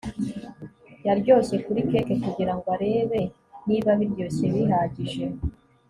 yaryoshye kuri cake kugirango arebe niba biryoshye bihagije